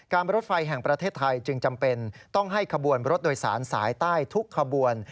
รถไฟแห่งประเทศไทยจึงจำเป็นต้องให้ขบวนรถโดยสารสายใต้ทุกขบวน